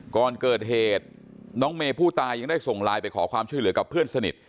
ก่อนเกิดเหตุน้องเมย์ผู้ตายยังได้ส่งไลน์ไปขอความช่วยเหลือกับเพื่อนสนิท